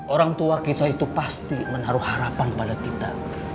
orang tua kita itu pasti menaruh harapan pada kita